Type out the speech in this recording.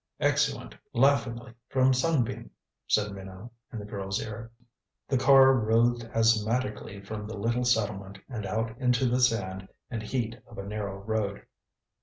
"Exeunt, laughingly, from Sunbeam," said Minot in the girl's ear. The car rolled asthmatically from the little settlement, and out into the sand and heat of a narrow road.